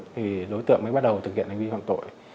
thì đối tượng mới bắt đầu thực hiện hành vi phạm tội